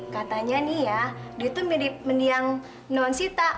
katanya dia itu mirip dengan nonsita